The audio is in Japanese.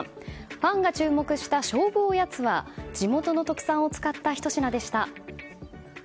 ファンが注目した勝負おやつは地元の特産を使ったひと品でした。